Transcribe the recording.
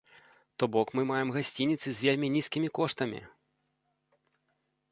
То бок мы маем гасцініцы з вельмі нізкімі коштамі!